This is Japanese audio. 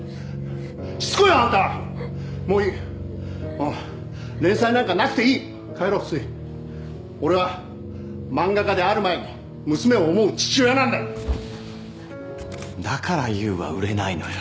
しつこいよあんたもういい連載なんかなくていい帰ろうすい俺は漫画家である前に娘を思う父親なんだだからユーは売れないのよ